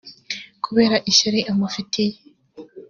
kubera ishyari amufitiye